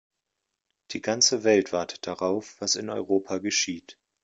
Die ganze Welt wartet darauf, was in Europa geschieht.